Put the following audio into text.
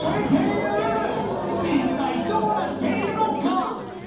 一体どうなっているのか！？